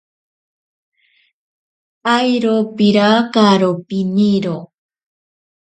Airo pirakaro piniro.